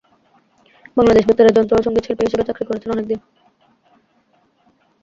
বাংলাদেশ বেতারে যন্ত্র ও সঙ্গীতশিল্পী হিসেবে চাকরি করেছেন অনেকদিন।